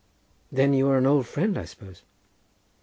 "Then you are an old friend, I suppose?"